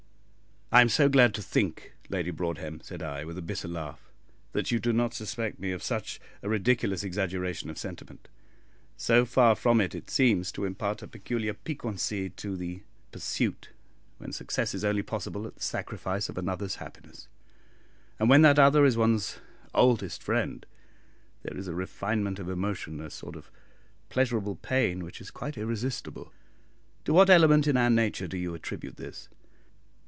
"I am so glad to think, Lady Broadhem," said I, with a bitter laugh, "that you do not suspect me of such a ridiculous exaggeration of sentiment. So far from it, it seems to impart a peculiar piquancy to the pursuit when success is only possible at the sacrifice of another's happiness; and when that other is one's oldest friend, there is a refinement of emotion, a sort of pleasurable pain, which is quite irresistible. To what element in our nature do you attribute this?"